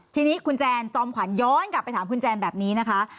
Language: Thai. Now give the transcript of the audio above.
ทีนี้คุณแจนจอมขวัญย้อนกลับไปถามคุณแจนแบบนี้นะคะ